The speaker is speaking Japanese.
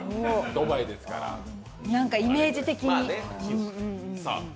なんかイメージ的に。